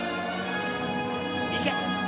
いけ！